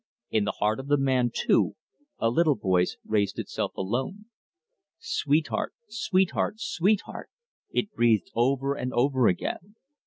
In the heart of the man, too, a little voice raised itself alone. "Sweetheart, sweetheart, sweetheart!" it breathed over and over again.